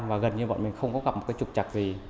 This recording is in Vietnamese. và gần như bọn mình không có gặp một trục chặt gì